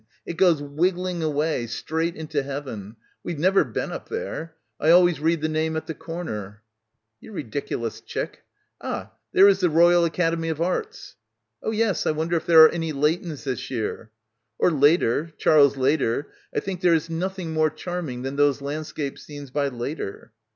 It goes wiggling away, straight into heaven. We've never been up there. I always read the name at the corner." — 27 — 99 i >99 PILGRIMAGE "You ridiculous chick — ah, there is the Royal Academy of Arts." "Oh yes, I wonder if there are any Leightons this year," "Or Leader. Charles Leader. I think there is nothing more charming than those landscape scenes by Leader."